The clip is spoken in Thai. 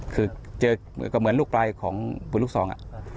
คือเจอก็เหมือนลูกปลายของปืนลูกทรอง